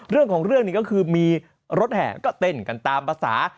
เรื่องของเรื่องนี้ก็คือมีรถแห่ก็เต้นกันตามภาษา